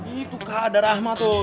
itu kak ada rahma tuh